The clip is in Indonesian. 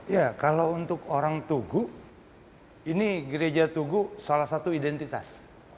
ya kalau untuk orang tugu ini gereja tugu salah satu identitas